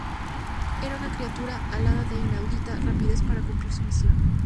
Era una criatura alada de inaudita rapidez para cumplir su misión.